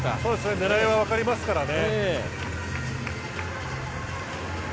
狙いは分かりますからね。